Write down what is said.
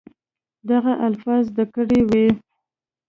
دغه الفاظ زده کړي وي